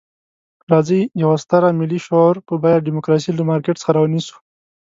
راځئ د یوه ستر ملي شعور په بیه ډیموکراسي له مارکېټ څخه رانیسو.